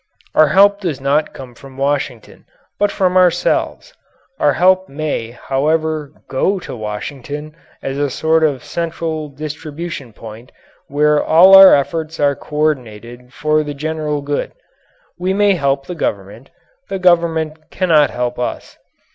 Our help does not come from Washington, but from ourselves; our help may, however, go to Washington as a sort of central distribution point where all our efforts are coordinated for the general good. We may help the Government; the Government cannot help us.